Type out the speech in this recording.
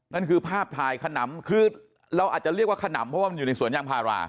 นั่นคือภาพถ่ายขนำคือเราอาจจะเรียกว่าขนำเพราะว่ามันอยู่ในสวนยางพารา